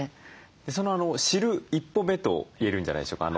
その知る一歩目と言えるんじゃないでしょうか。